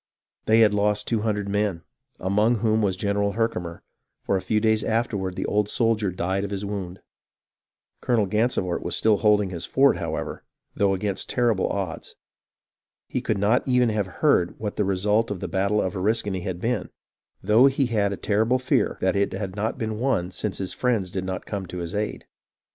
They had lost two hundred men, among whom was General Herkimer, for a few days afterward the old soldier died of his wound. Colonel Gansevoort was still holding his fort, however, though against terrible odds. He could not even have heard what the result of the battle at Oriskany had been, though he had a terrible fear that it had not been won. IN THE MOHAWK VALLEY I97 since his friends did not come to his aid.